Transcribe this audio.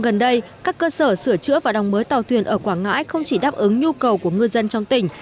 gần đây các cơ sở sửa chữa và đóng mới tàu thuyền ở quảng ngãi không chỉ đáp ứng nhu cầu của ngư dân trong tỉnh